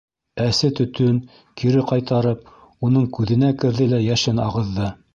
Әсе төтөн, кире ҡайтарып, уның күҙенә керҙе лә йәшен ағыҙҙы.